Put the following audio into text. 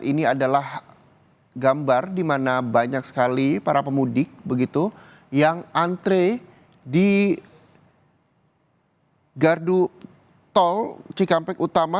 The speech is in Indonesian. ini adalah gambar di mana banyak sekali para pemudik begitu yang antre di gardu tol cikampek utama